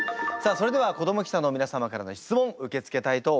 それでは子ども記者の皆様からの質問受け付けたいと思っております。